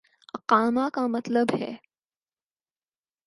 اقامہ کا مطلب ہے۔